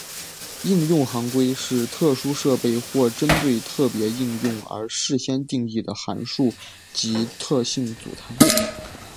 应用行规是特殊设备或针对特别应用而事先定义的函数及特性组态。